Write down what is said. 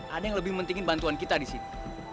ada yang lebih pentingin bantuan kita disini